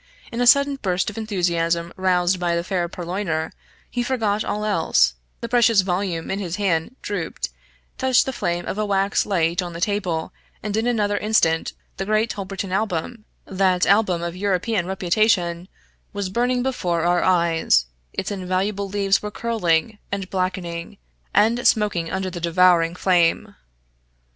In the sudden burst of enthusiasm roused by the fair purloiner, he forgot all else; the precious volume in his hand drooped, touched the flame of a wax light on the table, and in another instant the great Holberton Album, that Album of European reputation was burning before our eyes its invaluable leaves were curling, and blackening, and smoking under the devouring flame!